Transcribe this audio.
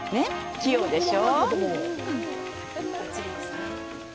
器用でしょ！